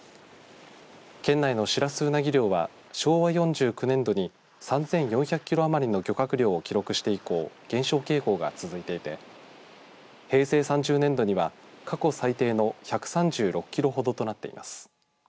県内のシラスウナギ漁は昭和４９年度に３４００キロ余りの漁獲量を記録して以降減少傾向が続いていて平成３０年度には過去最低の１３６キロほどとなっています。